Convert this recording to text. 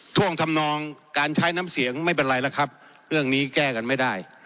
ท่วงทำนองการใช้น้ำเสียงไม่เป็นไรแล้วครับเรื่องนี้แก้กันไม่ได้